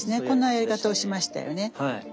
こんなやり方をしましたよね。